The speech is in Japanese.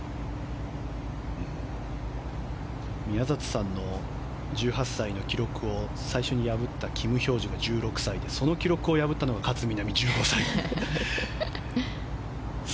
宮里さんの１８歳の記録を最初に破ったキム・ヒョージュが１６歳でその記録を破ったのが勝みなみ、１５歳。